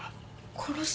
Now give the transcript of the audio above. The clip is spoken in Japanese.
殺す？